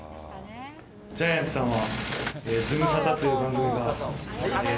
ジャイアンツさんは、。